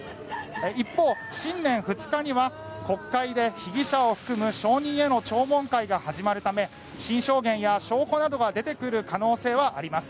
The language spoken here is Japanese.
一方、新年２日には国会で被疑者を含む証人への聴聞会が始まるため新証言や証拠などが出てくる可能性はあります。